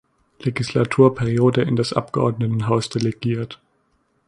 Legislaturperiode in das Abgeordnetenhaus delegiert.